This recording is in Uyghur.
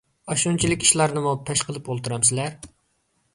ئاشۇنچىلىك ئىشلارنىمۇ پەش قىلىپ ئولتۇرامسىلەر؟